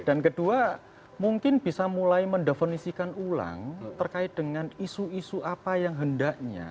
dan kedua mungkin bisa mulai mendefinisikan ulang terkait dengan isu isu apa yang hendaknya